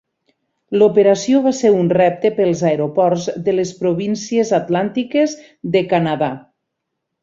L'operació va ser un repte pels aeroports de les províncies atlàntiques de Canadà.